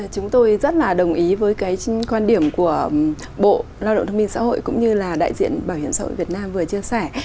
chúng tôi rất là đồng ý với cái quan điểm của bộ lao động thương minh xã hội cũng như là đại diện bảo hiểm xã hội việt nam vừa chia sẻ